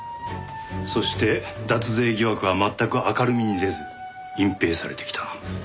そして脱税疑惑は全く明るみに出ず隠蔽されてきた。